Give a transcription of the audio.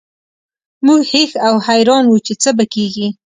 موږ هېښ او حیران وو چې څه به کیږي